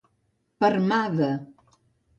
Per mà de.